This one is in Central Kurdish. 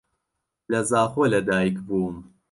لە زاخۆ لەدایک بووم.